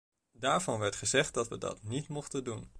Daarvan werd gezegd dat we dat niet mochten doen.